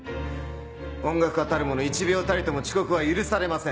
音楽家たるもの１秒たりとも遅刻は許されません。